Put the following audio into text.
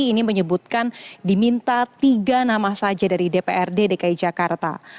ini menyebutkan diminta tiga nama saja dari dprd dki jakarta